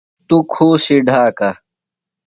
توۡ کُھوسیۡ ڈھاکہ۔